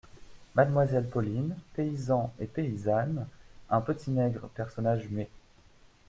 Mademoiselle Pauline Paysans et Paysannes, Un Petit Nègre personnage muet.